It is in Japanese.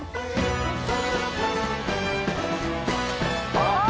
あっ！